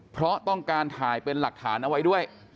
เพราะต้องการถ่ายเป็นหลักฐานเอาไว้ด้วย